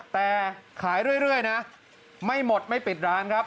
แต่ขายเรื่อยนะไม่หมดไม่ปิดร้านครับ